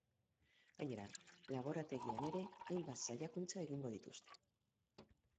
Gainera, laborategian ere hainbat saiakuntza egingo dituzte.